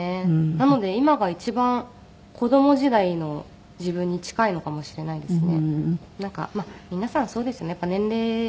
なので今が一番子供時代の自分に近いのかもしれないですね。